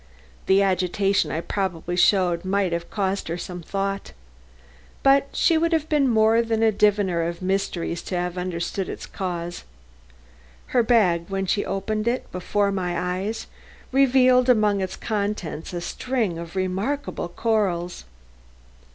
The agitation I probably showed must have caused her some thought. But she would have been more than a diviner of mysteries to have understood its cause. Her bag, when she had opened it before my eyes, had revealed among its contents a string of remarkable corals.